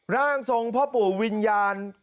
ร่างทรงพ่อปู่วิญญาณ